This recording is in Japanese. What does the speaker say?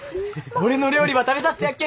俺の料理ば食べさせてやっけん！